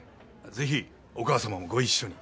是非お母様もご一緒に。